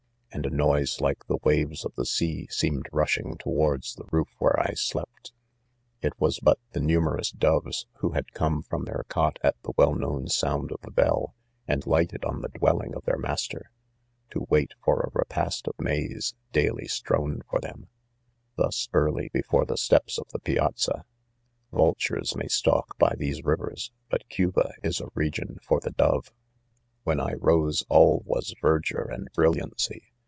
and a noise like the waves of the sea ■seemed rushing towards the roof where I slept* It was but the numerous do yes, Who had come from their cote at the wpll known sound of .the bell, and lighted on the dwelling of their . master, . to wait for a repast of maize, , daily strown for them, thus early, before the steps of : the .piazza. Vultures .may stalk hy these rivers, but Cuba is a region for the dove; ( l5 ) 4 When I rose all Was verdure and brilliancy.